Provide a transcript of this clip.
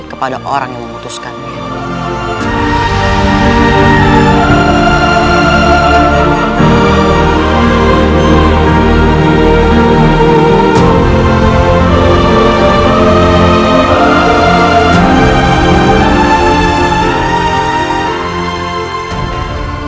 kepada orang yang memutuskannya